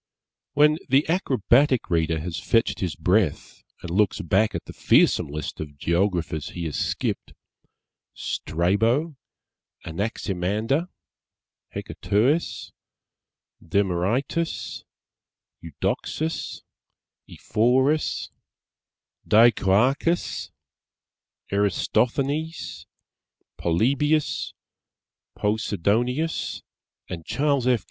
When the acrobatic reader has fetched his breath and looks back at the fearsome list of Geographers he has skipped Strabo, Anaximander, Hecatœus, Demœritus, Eudoxus, Ephorus, Dicœarchus, Erastothenes, Polybius, Posidonius and Charles F.